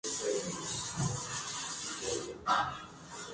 Expone internacionalmente y su obra figura en colecciones privadas y públicas.